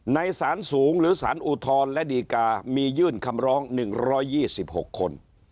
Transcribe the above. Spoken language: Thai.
สารสูงหรือสารอุทธรณ์และดีกามียื่นคำร้อง๑๒๖คน